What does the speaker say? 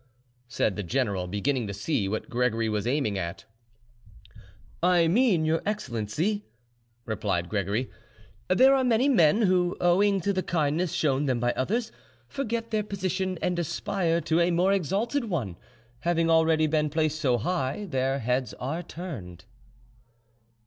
said the general, beginning to see what Gregory was aiming at. "I mean, your excellency," replied Gregory, "there are many men who, owing to the kindness shown them by others, forget their position and aspire to a more exalted one; having already been placed so high, their heads are turned."